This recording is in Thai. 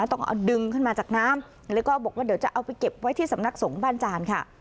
ต้องเอาดึงขึ้นมาจากน้ำแล้วก็บอกว่าเดี๋ยวจะเอาไปเก็บไว้ที่สำนักสงฆ์บ้านจานค่ะ